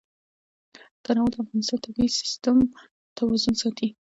تنوع د افغانستان د طبعي سیسټم توازن ساتي.